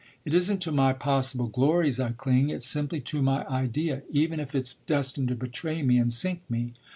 It isn't to my possible glories I cling; it's simply to my idea, even if it's destined to betray me and sink me.